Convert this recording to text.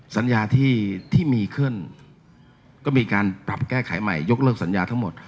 สัญญาที่มีขึ้นก็มีการปรับแก้ไขใหม่ยกเลิกสัญญาทั้งหมด